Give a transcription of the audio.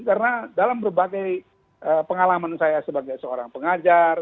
karena dalam berbagai pengalaman saya sebagai seorang pengajar